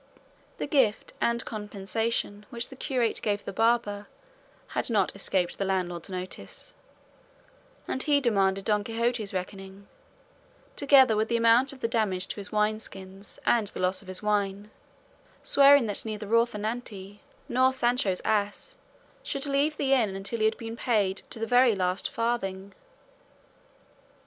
The gift and compensation which the curate gave the barber had not escaped the landlord's notice, and he demanded Don Quixote's reckoning, together with the amount of the damage to his wine skins, and the loss of his wine, swearing that neither Rocinante nor Sancho's ass should leave the inn until he had been paid to the very last farthing.